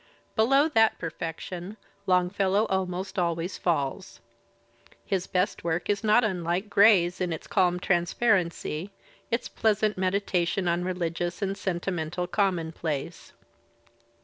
Below that perfection Longfellow almost always falls. His best work is not unlike Gray's in its calm transparency, its pleasant meditation on religious and sentimental commonplace.